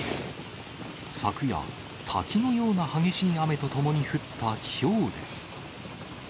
昨夜、滝のような激しい雨とともに降ったひょうです。